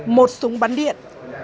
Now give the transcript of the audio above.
một súng bắn điện